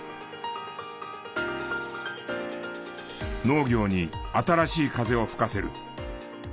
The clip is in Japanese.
農業に新しい風を吹かせる。